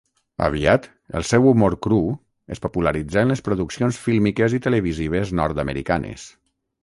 Aviat, el seu humor cru es popularitzà en les produccions fílmiques i televisives nord-americanes.